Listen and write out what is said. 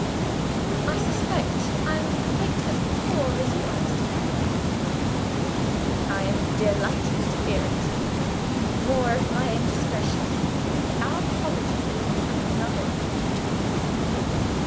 "I suspect I am quite as poor as you are, Mr. Mirabel." "I am delighted to hear it. (More of my indiscretion!) Our poverty is another bond between us."